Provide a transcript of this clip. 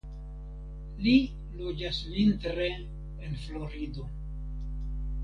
Li loĝas vintre en Florido.